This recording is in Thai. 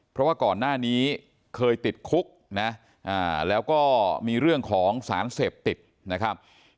เพราะว่าก่อนหน้านี้เคยติดคุกนะแล้วก็มีเรื่องของสารเสพติดนะครับ